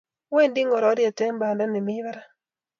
Wendi ngororiet eng banda nemi barak